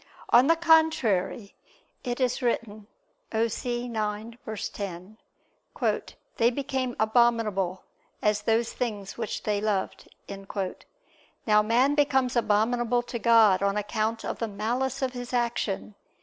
On the contrary, It is written (Osee 9:10): "They became abominable as those things which they loved." Now man becomes abominable to God on account of the malice of his action.